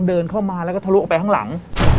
เดินเข้ามาแล้วก็ทะลุออกไปข้างหลัง